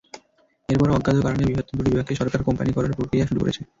এরপরও অজ্ঞাত কারণে বৃহত্তর দুটি বিভাগকে সরকার কোম্পানি করার প্রক্রিয়া শুরু করেছে।